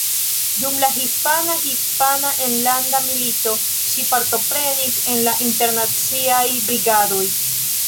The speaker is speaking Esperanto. Dum la hispana Hispana Enlanda Milito ŝi partoprenis en la Internaciaj Brigadoj.